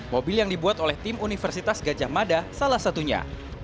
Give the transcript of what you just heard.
mobil yang dibuat oleh tim universitas gajah mada salah satunya